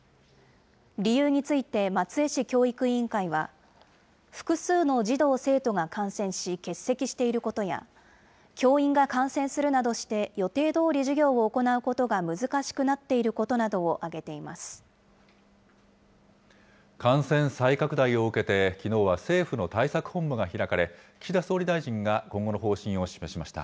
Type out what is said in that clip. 理由について、松江市教育委員会は、複数の児童・生徒が感染し、欠席していることや、教員が感染するなどして予定どおり授業を行うことが難しくなって感染再拡大を受けてきのうは政府の対策本部が開かれ、岸田総理大臣が今後の方針を示しました。